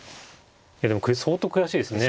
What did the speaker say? いやでもこれ相当悔しいですね。